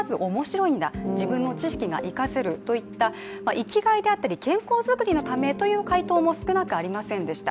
生きがいであったり健康作りという回答も少なくありませんでした。